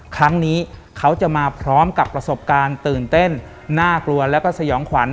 ครั้งนี้เขาจะมาพร้อมกับประสบการณ์ตื่นเต้นน่ากลัวแล้วก็สยองขวัญ